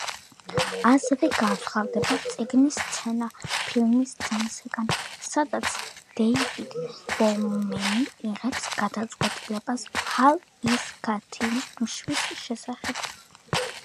ასევე განსხვავდება წიგნის სცენა ფილმის სცენისგან, სადაც დეივიდ ბოუმენი იღებს გადაწყვეტილებას ჰალ-ის გათიშვის შესახებ.